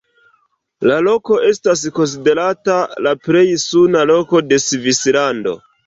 La loko estas konsiderata la plej suna loko de Svislando.